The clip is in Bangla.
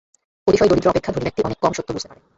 অতিশয় দরিদ্র অপেক্ষা ধনী ব্যক্তি অনেক কম সত্য বুঝিতে পারে।